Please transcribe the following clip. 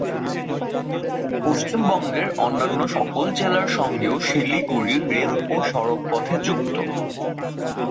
পশ্চিমবঙ্গের অন্যান্য সকল জেলার সঙ্গেও শিলিগুড়ি রেল ও সড়কপথে যুক্ত।